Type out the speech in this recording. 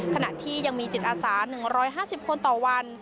ขณะที่ยังมีจิตอาสา๑๕๐คนต่อวัน